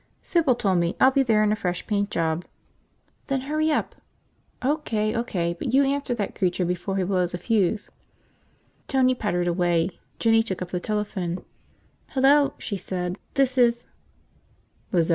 "Sybil told me. I'll be there in a fresh paint job." "Then hurry up!" "O.K., O.K. But you answer that creature before he blows a fuse." Tony pattered away. Jinny took up the telephone. "Hello," she said. "This is